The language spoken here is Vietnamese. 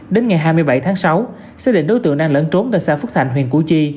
đến ngày hai mươi bảy tháng sáu xác định đối tượng đang lẫn trốn tại xã phúc thành huyện củ chi